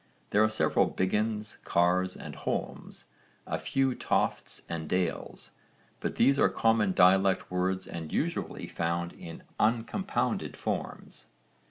There are several Biggins, Carrs, and Holms, a few Tofts and Dales, but these are common dialect words and usually found in uncompounded forms.